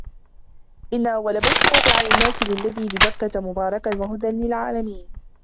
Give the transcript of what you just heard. إِنَّ أَوَّلَ بَيْتٍ وُضِعَ لِلنَّاسِ لَلَّذِي بِبَكَّةَ مُبَارَكًا وَهُدًى لِلْعَالَمِينَ